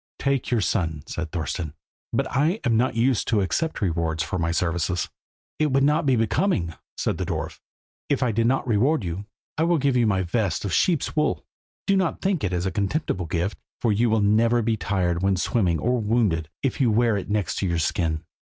"Take your son," said Thorston; "but I am not used to accept rewards for my services." "It would not be becoming," said the dwarf, "if I did not reward you. I will give you my vest of sheep's wool. Do not think it is a contemptible gift, for you will never be tired when swimming, or wounded, if you wear it next your skin."